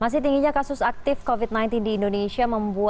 masih tingginya kasus aktif covid sembilan belas di indonesia